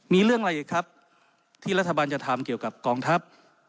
มีเรื่องอะไรอีกครับที่รัฐบาลจะทำเกี่ยวกับกองทัพ